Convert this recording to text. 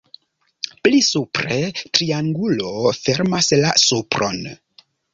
Pli supre triangulo fermas la supron.